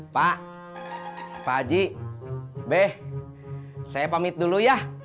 pak pak haji beh saya pamit dulu ya